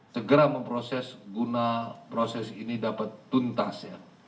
segera memproses guna proses ini dapat tuntas ya